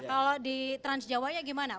kalau di transjawa ya gimana